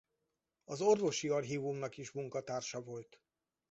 Az Orvosi Archívumnak is munkatársa volt.